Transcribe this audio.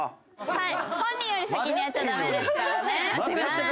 はい！